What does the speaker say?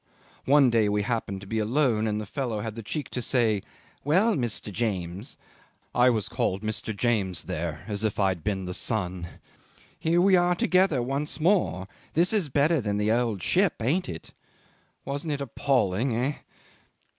"One day we happened to be alone and the fellow had the cheek to say, 'Well, Mr. James' I was called Mr. James there as if I had been the son 'here we are together once more. This is better than the old ship ain't it?' ... Wasn't it appalling, eh?